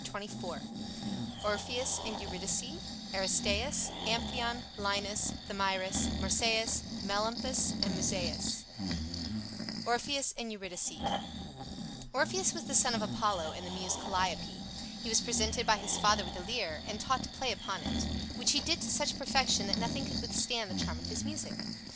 CHAPTER XXIV ORPHEUS AND EURYDICE ARISTAEUS AMPHION LINUS THAMYRIS MARSYAS MELAMPUS MUSAEUS ORPHEUS AND EURYDICE Orpheus was the son of Apollo and the Muse Calliope. He was presented by his father with a Lyre and taught to play upon it, which he did to such perfection that nothing could withstand the charm of his music.